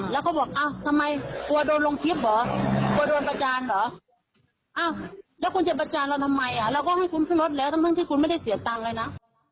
เราก็ให้คุณขึ้นรถแล้วทั้งที่คุณไม่ได้เสียตังค์เลยนะ